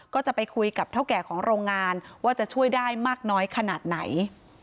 ก็จะไปคุยกับเท่าแก่ของโรงงานว่าจะช่วยได้มากน้อยขนาดไหน